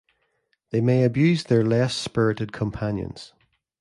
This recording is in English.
They may abuse their less spirited companions.